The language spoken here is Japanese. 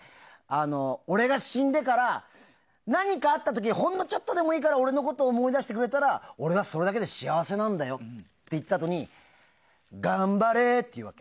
俺が死んでから何かあった時にほんのちょっとでもいいから俺のことを思い出してくれたら俺はそれだけで幸せなんだよって言ったあとに頑張れって言うわけ。